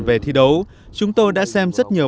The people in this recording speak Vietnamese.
về thi đấu chúng tôi đã xem rất nhiều